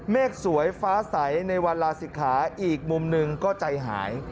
เมฆสวยฟ้าใสในวันลาศิกขาอีกมุมหนึ่งก็ใจหาย